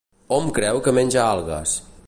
Hom creu que menja algues.